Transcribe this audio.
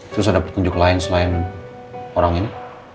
terus ada petunjuk lain selain orang ini